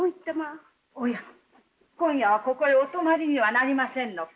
おや今夜はここへお泊まりにはなりませぬのか。